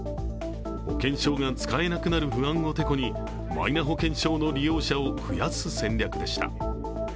保険証が使えなくなる不安をてこにマイナ保険証の利用者を増やす戦略でした。